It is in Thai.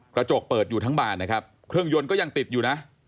กระจกเปิดอยู่ทั้งบานนะครับเครื่องยนต์ก็ยังติดอยู่นะ